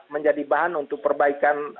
menjadi bahan untuk perbaikan